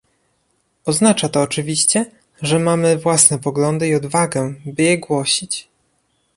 Oznacza to oczywiście, że mamy własne poglądy i odwagę, by je głosić